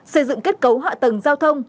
xây dựng kết cấu họa tầng giao thông